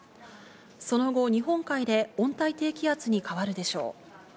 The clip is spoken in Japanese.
その後、日本海で温帯低気圧に変わるでしょう。